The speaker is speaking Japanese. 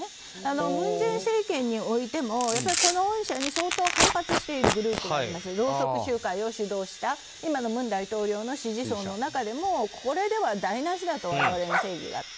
文在寅政権においてもこの恩赦に相当反発しているグループがいますろうそく集会を主導した今の文大統領の支持層の中でもこれでは台無しだと我々の正義がと。